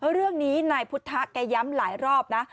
เรื่องนี้นายพุทธแกย้ำหลายรอบนะ